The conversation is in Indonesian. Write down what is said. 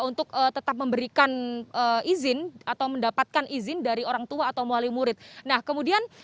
untuk tetap memberikan izin atau mendapatkan izin dari orang tua atau muali murid nah kemudian